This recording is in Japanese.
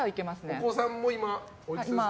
お子さんは今おいくつですか？